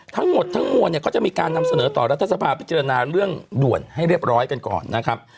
ทั้งหมดทั้งมวลเนี่ยก็จะมีการนำเสนอต่อรัฐสภาพิจารณาเรื่องด่วนให้เรียบร้อยกันก่อนนะครับ